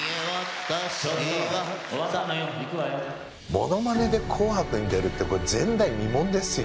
モノマネで「紅白」に出るってこれ前代未聞ですよ。